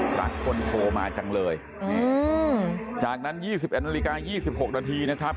รักคนโทรมาจังเลยจากนั้น๒๑นาฬิกา๒๖นาทีนะครับ